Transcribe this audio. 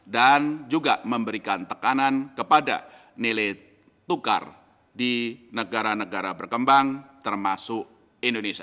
dan juga memberikan tekanan kepada nilai tukar di negara negara berkembang termasuk indonesia